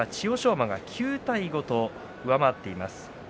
馬が９対５と上回っています。